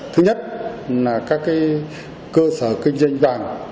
thứ nhất là các cơ sở kinh doanh vàng